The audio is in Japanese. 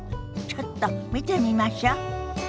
ちょっと見てみましょ。